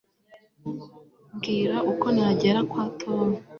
mbwira uko nagera kwa tom